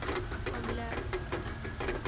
عملاء